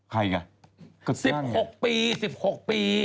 ใครอีกอ่ะก็สร้างเอง๑๖ปี๑๖ปี